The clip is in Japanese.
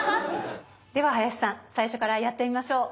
では林さん最初からやってみましょう。